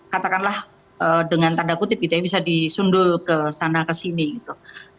katakanlah dengan tanda kutip gitu ya bisa disundul ke sana ke sini gitu